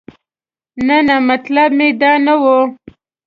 نه نه مطلب مې دا نه و.